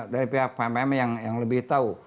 dari pihak pm yang lebih tahu